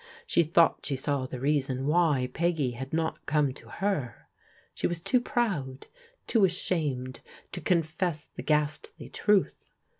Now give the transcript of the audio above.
She thought she saw the reason why Peggy had not come to her. She was too proud, too ashamed to confess the ghastly truth.